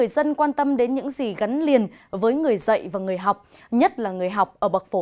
xin chào và hẹn gặp lại trong các bộ phim tiếp theo